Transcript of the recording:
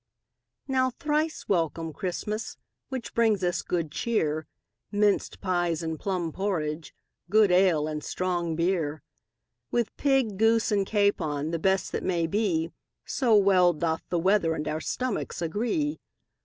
Now thrice welcome, Christmas, Which brings us good cheer, Minced pies and plum porridge, Good ale and strong beer; With pig, goose, and capon, The best that may be, So well doth the weather And our stomachs agree.